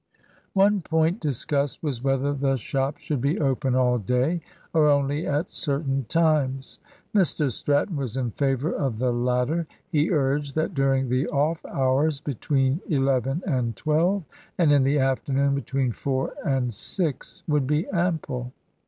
One point discussed was whether the shop should be open all day, or only at certain times. Mr Stratton was in favour of the latter. He urged that during the off hours between eleven and twelve, and in the afternoon between four and six, would be ample.